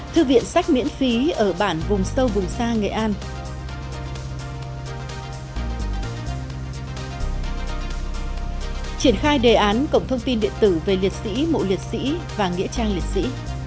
tiến bromance cổng thông tin để tử về liệt sĩ mộ liệt sĩ và nghĩa trang liệt sĩ